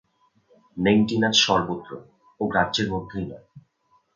নেংটি নাচ সর্বত্র, ও গ্রাহ্যের মধ্যেই নয়।